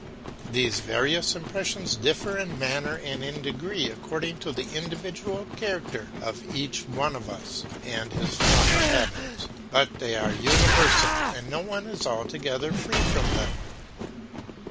These various impressions differ in manner and in degree, according to the individual character of each one of us and his former habits, but they are universal and no one is altogether free from them.